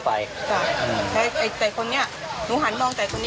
ใช่แต่คนนี้หนูหันมองแต่คนนี้